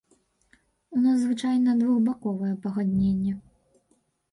У нас звычайна двухбаковае пагадненне.